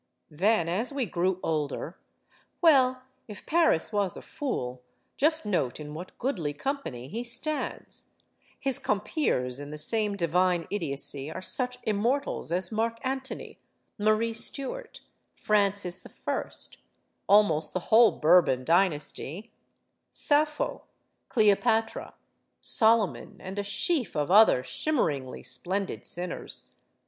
Then, as we grew older Well, if Paris was a fool, just note in what goodly company he stands. His compeers in the same divine idiocy are such immortals as Mark Antony, Marie Stuart, Francis I., almost the whole Bourbon dynasty, Sappho, Cleopatra, Solomon, and a sheaf of other shimmeringly splendid sinners.